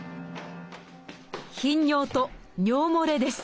「頻尿」と「尿もれ」です